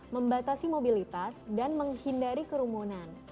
membatasi mobilitas dan menghindari kerumunan